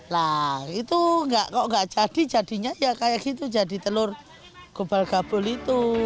nah itu kok gak jadi jadinya ya kayak gitu jadi telur gubal gabul itu